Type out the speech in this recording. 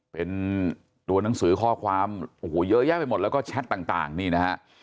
เป็นตัวหนังสือข้อความโอ้โหเยอะแยะไปหมดแล้วก็แชทต่างนี่นะฮะ